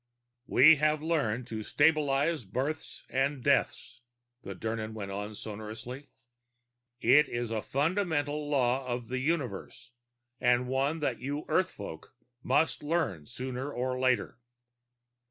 "We have learned to stabilize births and deaths," the Dirnan went on sonorously. "It is a fundamental law of the universe, and one that you Earthfolk must learn sooner or later.